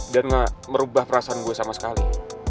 dan nggak merubah perasaan gue sama sekali